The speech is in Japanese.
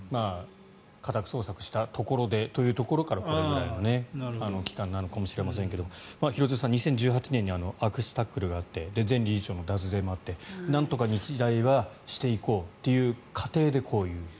家宅捜索したところでというところからこれくらいの期間なのかもしれませんが廣津留さん、２０１８年に悪質タックルがあって前理事長の脱税もあってなんとか日大をしていこうという過程でこういう。